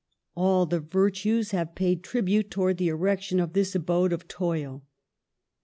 All the virtues have paid tribute towards the erection of this abode of toil.